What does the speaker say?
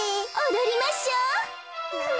おどりましょう！